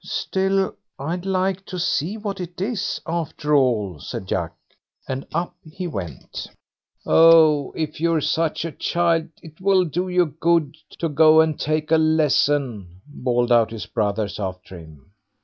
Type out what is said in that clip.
"Still, I'd like to see what it is, after all", said Jack; and up he went. "Oh, if you're such a child, 'twill do you good to go and take a lesson", bawled out his brothers after him.